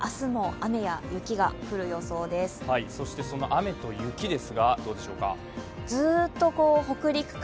雨と雪ですが、どうでしょうか？